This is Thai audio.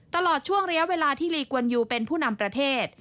ตลอดช่วงระยะเวลาที่ลีกวนยูเป็นผู้นำประเทศ